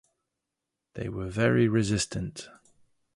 They were very resistant.